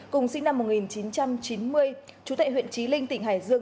cùng sinh năm một nghìn chín trăm chín mươi chú tệ huyện trí linh tỉnh hải dương